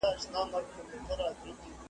پر پردي ولات اوسېږم له اغیار سره مي ژوند دی `